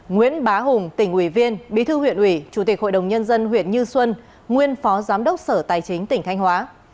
nguyễn bá hùng tỉnh ủy viên bí thư huyện ủy chủ tịch hội đồng nhân dân huyện như xuân nguyên phó giám đốc sở tài chính tỉnh thanh hóa